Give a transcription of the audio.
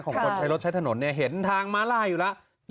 คนใช้รถใช้ถนนเนี่ยเห็นทางม้าลายอยู่แล้ว